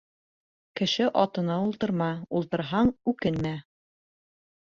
Кеше атына ултырма, ултырһаң үкенмә.